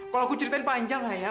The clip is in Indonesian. kalau aku ceritain panjang ayah